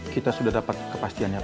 kita sudah dapat kepastiannya pak